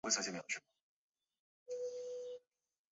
降边嘉措还为班禅和达赖当过藏语翻译。